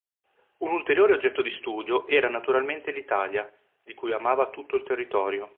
Un ulteriore oggetto di studio era naturalmente l'Italia, di cui amava tutto il territorio.